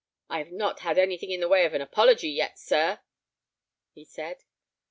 "I have not had anything in the way of an apology yet, sir," he said.